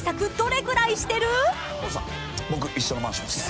僕一緒のマンションです。